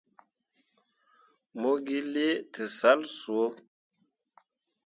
Mo gi lii tǝsal soo.